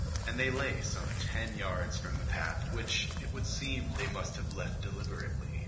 And they lay some ten yards from the path, which, it would seem, they must have left deliberately.